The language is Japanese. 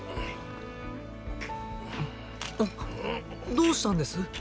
どうしたんです？